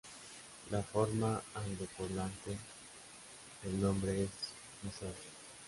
La forma angloparlante del nombre es Mysore.